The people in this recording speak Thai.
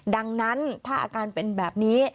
ดังนั้นถ้าอาการเป็นแบบนี้